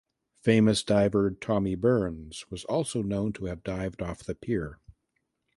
Famous diver Tommy Burns was also known to have dived off the pier.